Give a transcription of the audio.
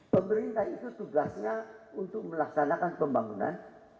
pemerintah itu tugasnya untuk melaksanakan pembangunan